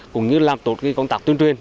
cũng như làm tốt công tác tuyên truyền